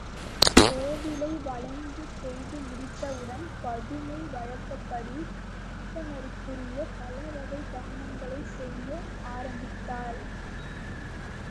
கோவிலை வலஞ் செய்து முடிந்தவுடன் பதுமை வழக்கப்படி அந்தணர்க்குரிய பலவகைத் தானங்களைச் செய்ய ஆரம்பித்தாள்.